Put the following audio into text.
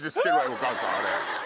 お母さんあれ。